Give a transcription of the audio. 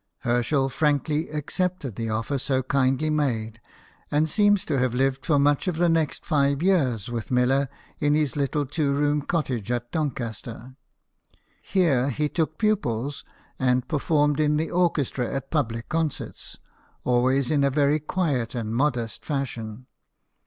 Herschel frankly ac cepted the offer so kindly made, and seems to have lived for much of the next five years with Miller in his little two roomed cottage at Don caster. Here he took pupils and performed in the orchestra at public concerts, always in a very quiet and modest fashion.